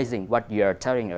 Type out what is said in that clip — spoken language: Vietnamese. cần sử dụng